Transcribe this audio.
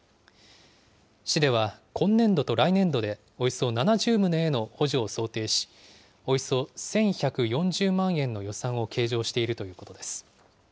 市では今年度と来年度でおよそ７０棟への補助を想定し、およそ１１４０万円の予算を計上しているということです。